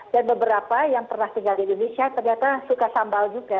dan beberapa yang pernah tinggal di indonesia ternyata suka sambal juga